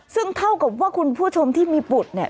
ซึ่งเท่ากับว่าคุณผู้ชมที่มีบุตรเนี่ย